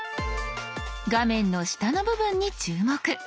画面の下の部分に注目。